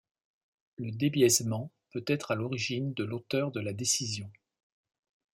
Le débiaisement peut être à l'origine de l'auteur de la décision.